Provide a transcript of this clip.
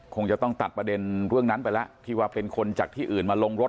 คงจะต้องตัดประเด็นเรื่องนั้นไปแล้วที่ว่าเป็นคนจากที่อื่นมาลงรถ